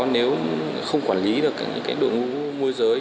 nếu không quản lý được những đội ngũ môi giới